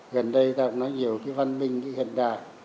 gần đây ta cũng nói nhiều cái văn minh hiện đại